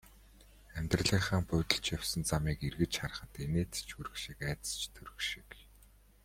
Амьдралынхаа будилж явсан замыг эргэж харахад инээд ч хүрэх шиг, айдас ч төрөх шиг.